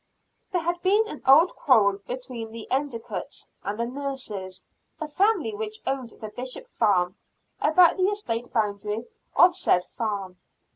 There had been an old quarrel between the Endicotts and the Nurses, a family which owned the Bishop Farm, about the eastern boundary of said farm.